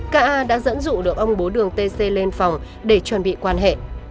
k a đã dẫn dụ được ông bố đường t c lên phòng để chuẩn bị quan hệ